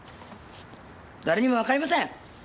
誰にもわかりません！